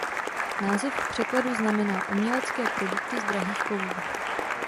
Název v překladu znamená "Umělecké produkty z drahých kovů".